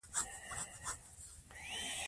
ټوله د حالتونو په شکل نه یواځي پکښې ښه ساتل شوي دي